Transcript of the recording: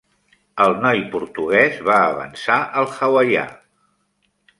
El noi portuguès va avançar el hawaià.